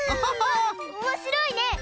おもしろいね！